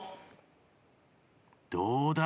どうだ。